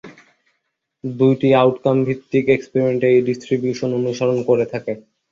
দুটি আউটকাম ভিত্তিক এক্সপেরিমেন্ট এই ডিস্ট্রিবিউশন অনুসরন করে থাকে।